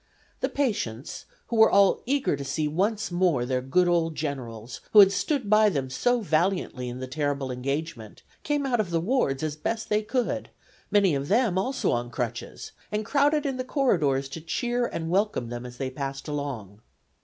The patients, who were all eager to see once more their good old generals, who had stood by them so valiantly in the terrible engagement, came out of the wards as best they could, many of them also on crutches, and crowded in the corridors to cheer and welcome them as they passed along.